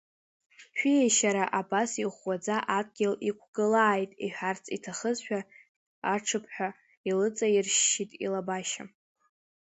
Шәиешьара абас иӷәӷәаӡа адгьыл иқәгылааит иҳәарц иҭахызшәа, аҽыԥҳәа илыҵаиршьшьит илабашьа.